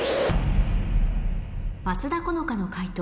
松田好花の解答